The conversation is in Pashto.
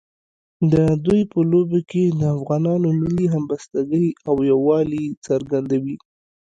د دوی په لوبو کې د افغانانو ملي همبستګۍ او یووالي څرګندوي.